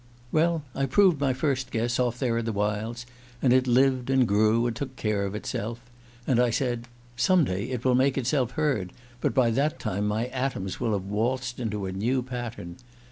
... "Well, I proved my first guess, off there in the wilds, and it lived, and grew, and took care of itself. And I said 'Some day it will make itself heard; but by that time my atoms will have waltzed into a new pattern.